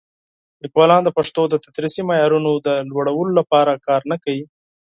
لیکوالان د پښتو د تدریسي معیارونو د لوړولو لپاره کار نه کوي.